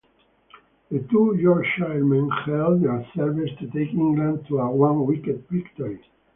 The two Yorkshiremen held their nerve to take England to a one-wicket victory.